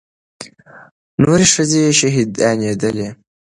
نورې ښځې شهيدانېدلې.